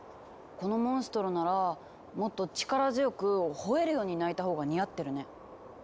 このモンストロならもっと力強くほえるように鳴いたほうが似合ってるね。